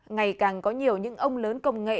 ngày càng có nhiều những ông lớn công nghệ